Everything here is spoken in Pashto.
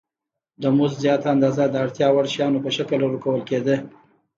د مزد زیاته اندازه د اړتیا وړ شیانو په شکل ورکول کېده